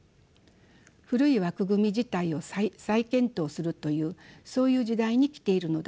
古い枠組み自体を再検討するというそういう時代に来ているのだと思います。